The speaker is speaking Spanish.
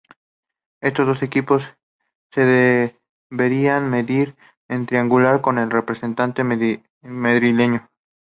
Estos dos equipos se deberían medir en un triangular con el representante madrileño.